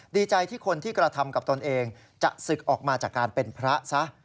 ดีใจที่คนที่กระทำกับตนเองจะศึกออกมาจากการเป็นพระซะ